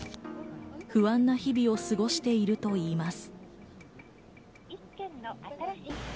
不安な日々を過ごしているといいます。